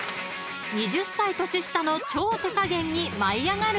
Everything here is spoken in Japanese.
［２０歳年下の超手加減に舞い上がる一同］